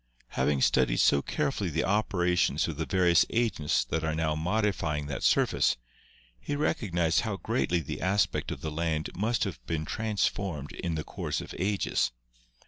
Having studied so carefully the operations of the various agents that are now modifying that surface, he recognised how greatly the aspect of the land must have been transformed in the course of ages.